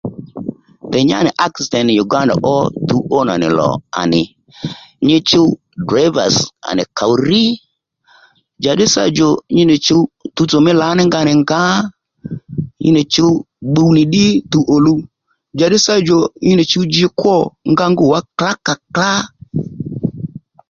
Ndèy nyá nì aksident Uganda ó tuw ó nànì lò à nì nyi chuw drivers à nì kǒw rrí njàddí sâ djò nyi nì chǔw tuwtsò mí lǎ ní nga nì ngǎ nyi nì chǔw pbuw nì ddí tuw ò luw njàddí sâ djò nyi nì chǔw ji kwô nga ngû wá klǎkàklǎ